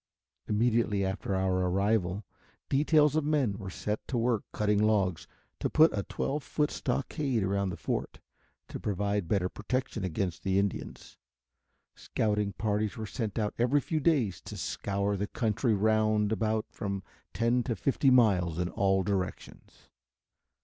Immediately after our arrival, details of men were set to work cutting logs to put a twelve foot stockade around the fort to provide better protection against the Indians. Scouting parties were sent out every few days to scour the country round about from ten to fifty miles in all directions.